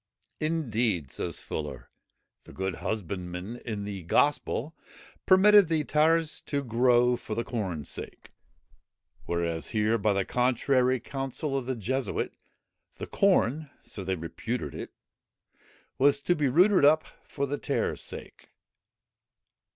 "Indeed," says Fuller, "the good husbandman in the Gospel, permitted the tares to grow for the corne's sake; whereas here, by the contrary counsel of the Jesuit, the corn (so they reputed it,) was to be rooted up for the tares' sake."